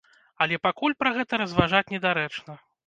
Але пакуль пра гэта разважаць недарэчна.